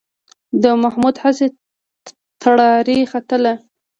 د محمود هسې ټراري ختله.